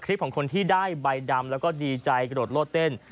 ของคนที่ได้ใบดำแล้วก็ดีใจกระโดดโลดเต้น